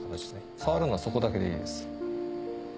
触るのそこだけでいいです。